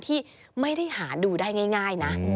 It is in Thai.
ที่ไม่ได้หาดูได้ง่ายนะ